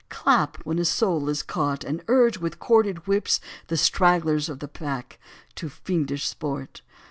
Clap when a soul is caught. And urge, with corded whips. The stragglers of the pack to fiendish sport.